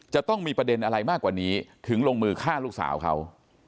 จะต้องมีประเด็นอะไรมากกว่านี้ถึงลงมือฆ่าลูกสาวเขา